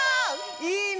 いいね！